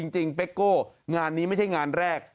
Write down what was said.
เป๊กโก้งานนี้ไม่ใช่งานแรก